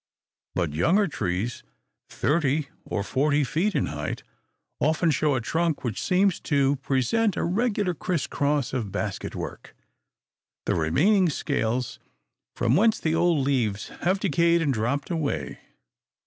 But younger trees, thirty or forty feet in height, often show a trunk which seems to present a regular criss cross of basket work, the remaining scales from whence the old leaves have decayed and dropped away.